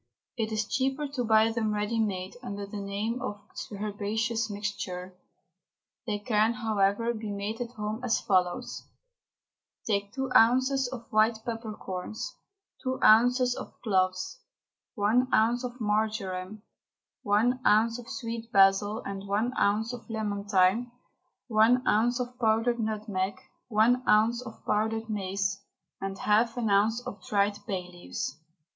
It is cheaper to buy them ready made, under the name of Herbaceous Mixture. They can, however, be made at home as follows: Take two ounces of white peppercorns, two ounces of cloves, one ounce of marjoram, one ounce of sweet basil and one ounce of lemon thyme, one ounce of powdered nutmeg, one ounce of powdered mace, and half an ounce of dried bay leaves.